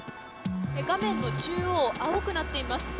画面の中央青くなっています。